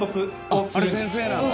あれ先生なんだ。